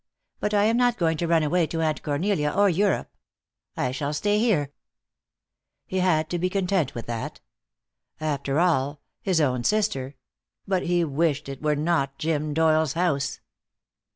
But I am not going to run away to Aunt Cornelia or Europe. I shall stay here." He had to be content with that. After all, his own sister but he wished it were not Jim Doyle's house.